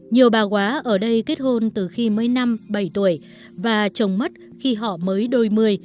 nhiều bà quá ở đây kết hôn từ khi mới năm bảy tuổi và chồng mất khi họ mới đôi mươi